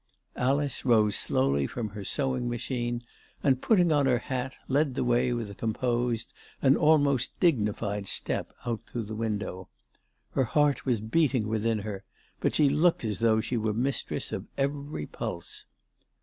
Alice rose slowly from her sewing machine, and, putting on her hat, led the way with a composed and almost dignified step out through the window. Her heart was beating within her, but she looked as though she were mistress of every pulse.